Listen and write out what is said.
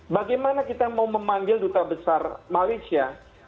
bagaimana kita mau memanggil duta besar malaysia